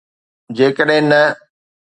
جيڪڏهن نه.